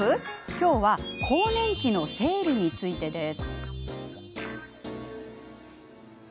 今日は更年期の生理についてです。